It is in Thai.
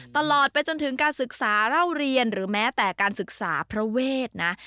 ตลอดไปจนถึงการศึกษาเล่าเรียนหรือแม้แต่การศึกษาพระเวทนะ